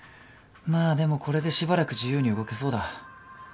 まあでもこれでしばらく自由に動けそうだ。